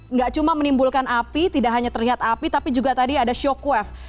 nggak cuma menimbulkan api tidak hanya terlihat api tapi juga tadi ada shockwave